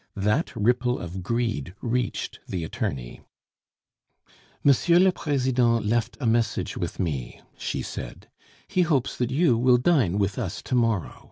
That ripple of greed reached the attorney. "M. le President left a message with me," she said; "he hopes that you will dine with us to morrow.